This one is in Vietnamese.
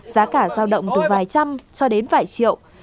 giá cả giao động từ vài trăm cho đến vài triệu